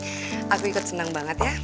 aku ikut senang banget ya